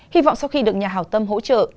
hy vọng sau khi được nhà hào tâm hỗ trợ